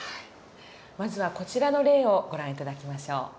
まずはこちらの例をご覧頂きましょう。